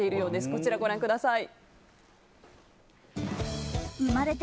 こちらご覧ください。